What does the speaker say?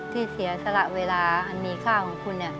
ที่เสียสละเวลาอันนี้ข้าวของคุณเนี่ย